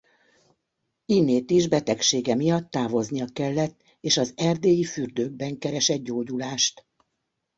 Innét is betegsége miatt távoznia kellett és az erdélyi fürdőkben keresett gyógyulást.